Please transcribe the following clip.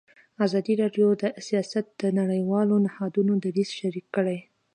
ازادي راډیو د سیاست د نړیوالو نهادونو دریځ شریک کړی.